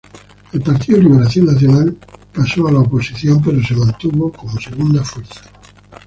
El Partido Liberación Nacional pasó a la oposición pero se mantuvo como segunda fuerza.